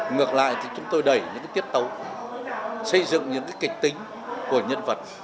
ngược lại thì chúng tôi đẩy những cái tiết tấu xây dựng những cái kịch tính của nhân vật